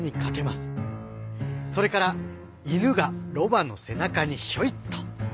それから犬がロバの背中にひょいっと。